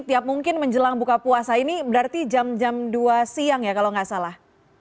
tiap mungkin menjelang buka puasa ini berarti jam dua siang ya kalau tidak salah